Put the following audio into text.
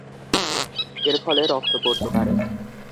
এর ফলে রক্ত পড়তে পারে।